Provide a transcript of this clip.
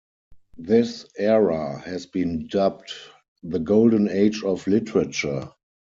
This era has been dubbed the "Golden Age of Literature".